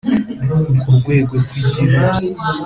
ku rwego rw’igihugu